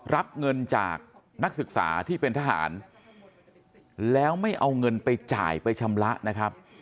รับเงินจากนักศึกษาที่เป็นทหารแล้วไม่เอาเงินไปจ่ายไปชำระนะครับ